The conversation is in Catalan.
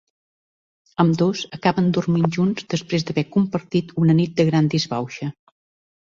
Ambdós acaben dormint junts després d'haver compartit una nit de gran disbauxa.